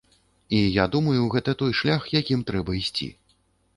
І я думаю, гэта той шлях, якім трэба ісці.